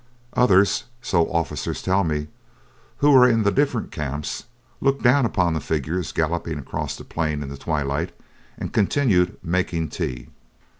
Others, so officers tell me, who were in the different camps, looked down upon the figures galloping across the plain in the twilight, and continued making tea.